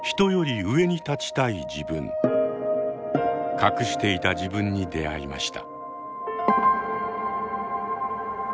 隠していた自分に出会いました。